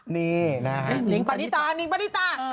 นิ้งปะนิตานิ้งปะนิตา